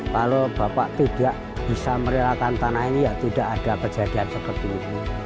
kalau bapak tidak bisa merelakan tanah ini ya tidak ada kejadian seperti ini